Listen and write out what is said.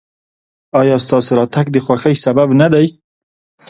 ایا ستاسو راتګ د خوښۍ سبب نه دی؟